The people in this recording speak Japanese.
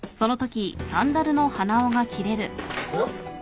おっ！